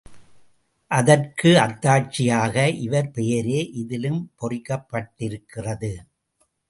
அதற்கு அத்தாட்சியாக இவர் பெயரே இதிலும் பொறிக்கப் பட்டிருக்கிறது.